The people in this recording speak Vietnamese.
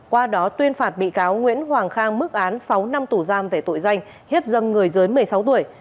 qua đó tuyên phạt bị cáo nguyễn hoàng khang mức án sáu năm tù giam về tội danh hiếp dâm người dưới một mươi sáu tuổi